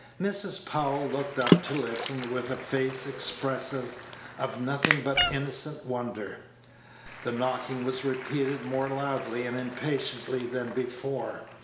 Mrs. Powell looked up to listen, with a face expressive of nothing but innocent wonder. The knocking was repeated more loudly and impatiently than before.